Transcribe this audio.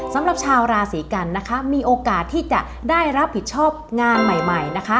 สำหรับชาวราศีกันนะคะมีโอกาสที่จะได้รับผิดชอบงานใหม่ใหม่นะคะ